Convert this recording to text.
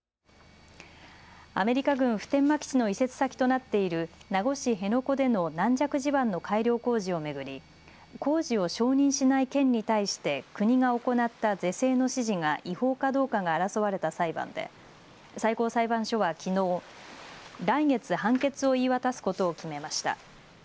アメリカ軍普天間基地の移設先となっている名護市辺野古での軟弱地盤の改良工事を巡り工事を承認しない県に対して国が行った是正の指示が違法かどうかが争われた裁判で最高裁判所はきのう、来月判決を言い渡すことを決めました。